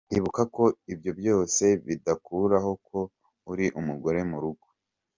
Ibuka ko ibyo byose bidakuraho ko uri umugore murugo .